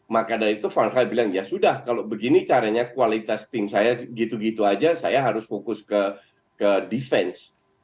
maka dari itu vanesha bilang ya sudah kalau begini caranya kualitas tim saya gitu gitu aja saya harus fokus ke defense